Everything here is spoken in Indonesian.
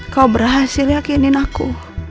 kau berhasil yakinin aku